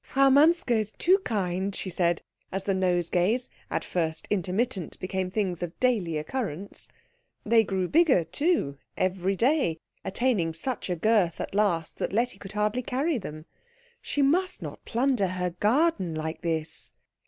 "Frau Manske is too kind," she said, as the nosegays, at first intermittent, became things of daily occurrence. They grew bigger, too, every day, attaining such a girth at last that Letty could hardly carry them. "She must not plunder her garden like this."